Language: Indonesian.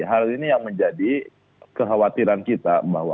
hal ini yang menjadi kekhawatiran kita bahwa